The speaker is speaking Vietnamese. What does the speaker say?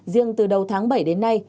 riêng từ đầu tháng bảy đến nay